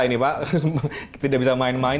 ini pak tidak bisa main main